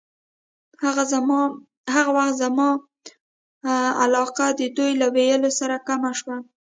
هغه وخت زما علاقه د دوی له ویلو سره کمه شوه.